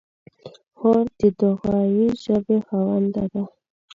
خور د دعایي ژبې خاوندې ده.